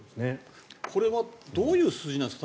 これはどういう数字なんですか？